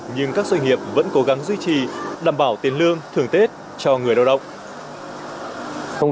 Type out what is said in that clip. nhưng các doanh nghiệp vẫn cố gắng duy trì đảm bảo tiền lương thường tết cho người lao động